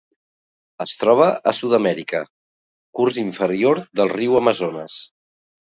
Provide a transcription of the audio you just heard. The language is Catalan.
Es troba a Sud-amèrica: curs inferior del riu Amazones.